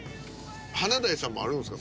華大さんもあるんですか？